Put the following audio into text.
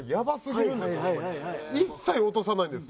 一切落とさないんです。